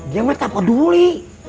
dia mah tak peduli